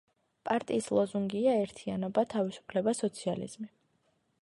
პარტიის ლოზუნგია „ერთიანობა, თავისუფლება, სოციალიზმი“.